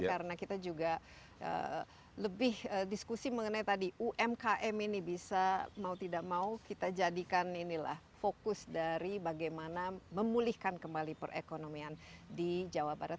karena kita juga lebih diskusi mengenai tadi umkm ini bisa mau tidak mau kita jadikan inilah fokus dari bagaimana memulihkan kembali perekonomian di jawa barat